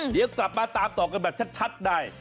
เดี๋ยวตามมาตามต่อกันแบบชัดได้